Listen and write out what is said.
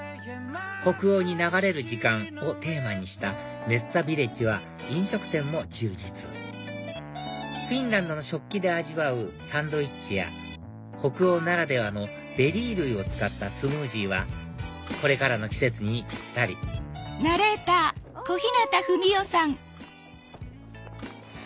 「北欧に流れる時間」をテーマにしたメッツァビレッジは飲食店も充実フィンランドの食器で味わうサンドイッチや北欧ならではのベリー類を使ったスムージーはこれからの季節にぴったりお！